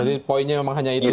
jadi poinnya memang hanya itu ya